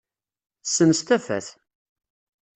Ssens tafat!